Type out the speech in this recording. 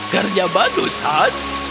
garnya bagus hans